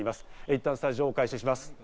いったんスタジオにお返しします。